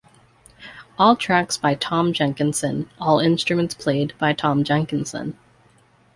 All tracks by Tom Jenkinson, all instruments played by Tom Jenkinson.